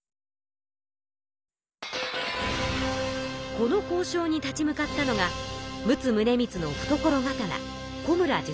この交渉に立ち向かったのが陸奥宗光のふところ刀